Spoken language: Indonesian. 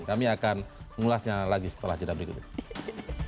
kami akan mengulasnya lagi setelah berikutnya